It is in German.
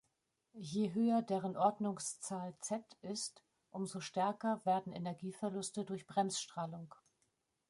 Je höher deren Ordnungszahl "Z" ist, umso stärker werden Energieverluste durch Bremsstrahlung.